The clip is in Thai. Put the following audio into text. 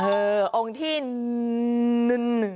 เออองค์ที่นึน